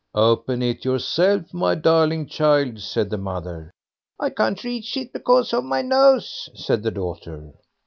"Open it yourself, my darling child", said the mother. "I can't reach it because of my nose", said the daughter.